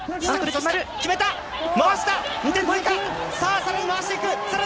さらに回していく。